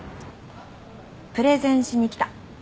プレゼンしに来た。